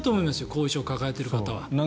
後遺症を抱えている方は。